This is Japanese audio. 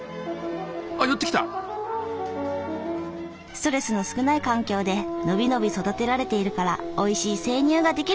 ストレスの少ない環境で伸び伸び育てられているからおいしい生乳ができるんだとか。